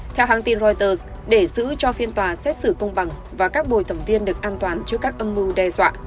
theo hãng tin reuters để giữ cho phiên tòa xét xử công bằng và các bồi thẩm viên được an toàn trước các âm mưu đe dọa